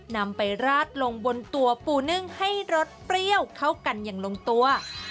นำไปราดลงบนตัวปูนึ่งให้รสเปรี้ยวเข้ากันอย่างลงตัว